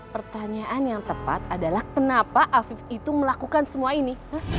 pertanyaan yang tepat adalah kenapa afif itu melakukan semua ini